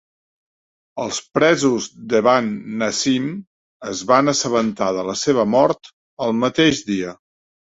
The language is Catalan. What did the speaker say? Els presos d'Evan Naseem es van assabentar de la seva mort el mateix dia.